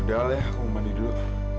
udahlah aku mau mandi dulu